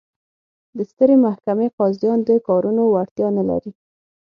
د سترې محکمې قاضیان د کارونو وړتیا نه لري.